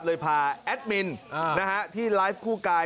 พาแอดมินที่ไลฟ์คู่กาย